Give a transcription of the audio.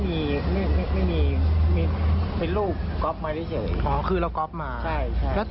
นี่ดงรูปไปสงบไปแชร์กันเขาก็ชื่อ